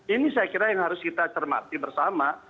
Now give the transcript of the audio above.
ini saya kira yang harus kita cermati bersama